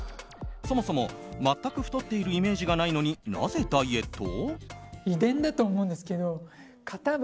そもそも、全く太っているイメージがないのになぜダイエット？